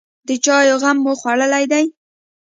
_د چايو غم مو خوړلی دی؟